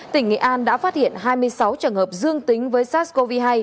tỉnh nghệ an đã phát hiện hai mươi sáu trường hợp dương tính với sars cov hai